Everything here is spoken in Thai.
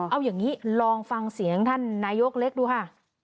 เอาอย่างนี้ลองฟังเสียงท่านนายกเล็กดูค่ะ